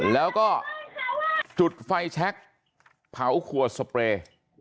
แล้วก็จุดไฟแชคเผาขวดสเปรย์